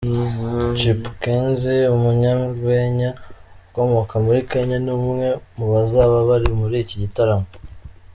Chipukeezy, umunyarwenya ukomoka muri Kenya ni umwe mubazaba bari muri iki gitaramo.